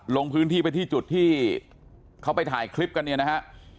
ลงพื้นที่ไปที่จุดที่เขาไปถ่ายคลิปกันเนี่ยนะฮะ